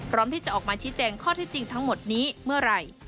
ที่จะออกมาชี้แจงข้อเท็จจริงทั้งหมดนี้เมื่อไหร่